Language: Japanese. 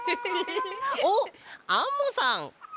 おっアンモさん！